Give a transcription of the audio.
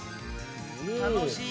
楽しい。